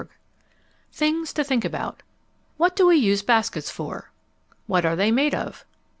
THINGS TO THINK ABOUT What do we use baskets for? What are they made of?